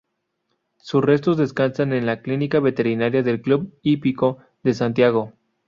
Sus restos descansan en la clínica veterinaria del Club Hípico de Santiago.